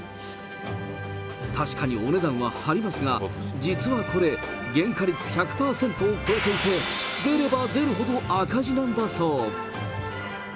確かにお値段は張りますが、実はこれ、原価率１００％を超えていて、出れば出るほど赤字なんだそう。